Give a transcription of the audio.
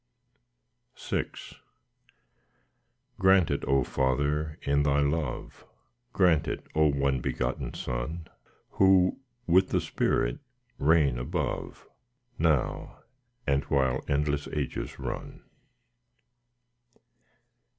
VI Grant it, O Father, in Thy love, Grant it, O One begotten Son, Who with the Spirit reign above, Now, and while endless ages run.